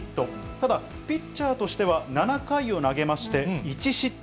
ただ、ピッチャーとしては７回を投げまして、１失点。